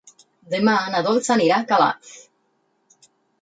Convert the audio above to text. Demà na Dolça anirà a Calaf.